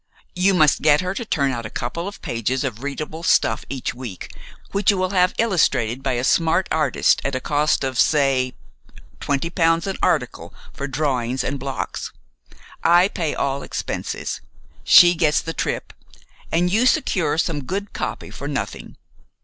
You must get her to turn out a couple of pages of readable stuff each week, which you will have illustrated by a smart artist at a cost of say, twenty pounds an article for drawings and blocks. I pay all expenses, she gets the trip, and you secure some good copy for nothing.